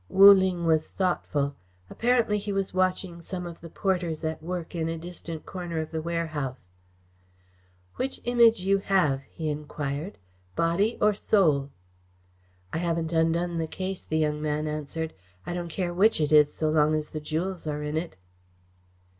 Wu Ling was thoughtful. Apparently he was watching some of the porters at work in a distant corner of the warehouse. "Which Image you have?" he enquired. "Body or Soul?" "I haven't undone the case," the young man answered. "I don't care which it is, so long as the jewels are in it."